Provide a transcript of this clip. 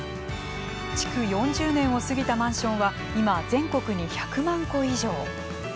築４０年を過ぎたマンションは今、全国に１００万戸以上。